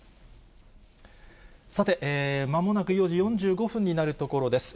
さて、まもなく４時４５分になるところです。